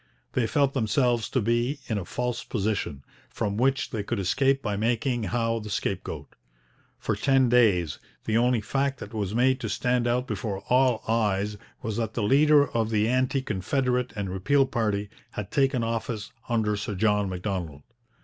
They felt themselves to be in a false position, from which they could escape by making Howe the scapegoat. For ten days the only fact that was made to stand out before all eyes was that the leader of the anti confederate and repeal party had taken office under Sir John Macdonald.